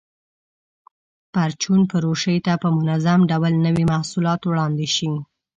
پرچون فروشۍ ته په منظم ډول نوي محصولات وړاندې شي.